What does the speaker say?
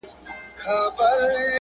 زما د يار هـــــــــــــره وعده ماته شوه